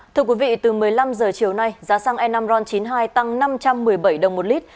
thưa quý vị từ một mươi năm giờ chiều nay giá xăng e năm ron chín mươi hai tăng năm trăm một mươi bảy đồng một lít